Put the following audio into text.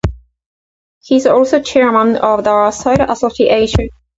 He is also chairman of the Soil Association.